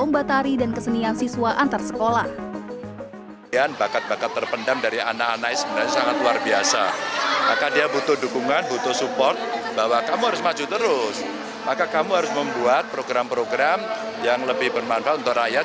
bahwa kamu harus maju terus maka kamu harus membuat program program yang lebih bermanfaat untuk rakyat